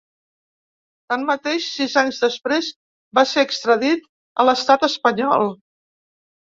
Tanmateix, sis anys després, va ser extradit a l’estat espanyol.